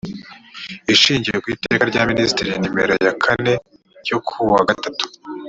ishingiye ku iteka rya ministri nomero kane ryo kuwa gatanu